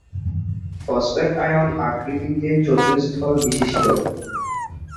Phosphate ion আকৃতিতে চতুস্তলবিশিষ্ট।